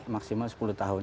maksimal sepuluh tahun